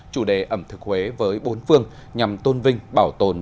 chủ đề ẩm thực huế với bốn phương nhằm tôn vinh bảo tồn